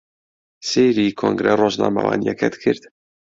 سەیری کۆنگرە ڕۆژنامەوانییەکەت کرد؟